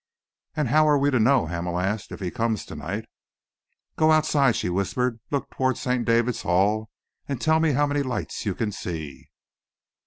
"And how are we to know," Hamel asked, "if he comes to night?" "Go outside," she whispered. "Look towards St. David's Hall and tell me how many lights you can see."